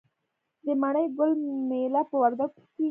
د مڼې ګل میله په وردګو کې کیږي.